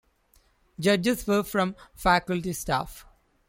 Judges were from faculty staff.